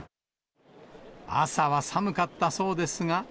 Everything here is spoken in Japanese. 朝は寒かったそうですが。